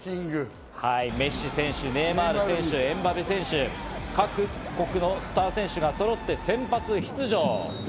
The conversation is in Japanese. メッシ選手、ネイマール選手、エムバペ選手、各国のスター選手が揃って先発出場。